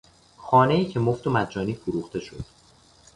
خانهای که مفت و مجانی فروخته شد